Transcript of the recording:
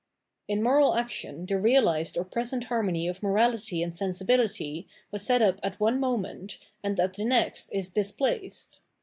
In moral action the realised or present harmony of morality and sensibihty was set up at one moment, and at the next is " displaced."